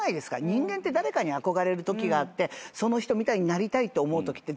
人間って誰かに憧れるときがあってその人みたいになりたいって思うときって絶対ある。